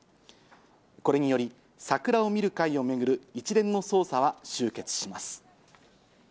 これにより、桜を見る会を巡る一連の捜査は終結します。